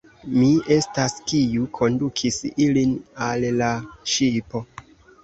Mi estas, kiu kondukis ilin al la ŝipo.